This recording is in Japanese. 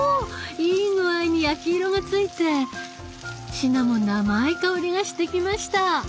いい具合に焼き色がついてシナモンの甘い香りがしてきました。